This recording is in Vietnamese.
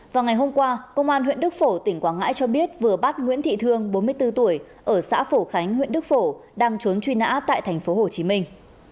và ngày hôm qua công an huyện đức phổ tỉnh quảng ngãi cho biết vừa bắt nguyễn thị thương bốn mươi bốn tuổi ở xã phổ khánh huyện đức phổ đang trốn truy nã tại thành phố hồ chí minh